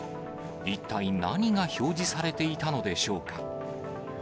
一体何が表示されていたのでしょうか。